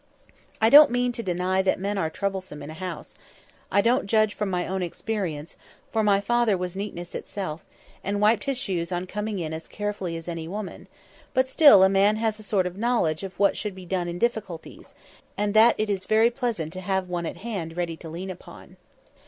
"I don't mean to deny that men are troublesome in a house. I don't judge from my own experience, for my father was neatness itself, and wiped his shoes on coming in as carefully as any woman; but still a man has a sort of knowledge of what should be done in difficulties, that it is very pleasant to have one at hand ready to lean upon.